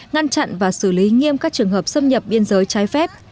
ngăn chặn và xử lý nghiêm các trường hợp xâm nhập biên giới trái phép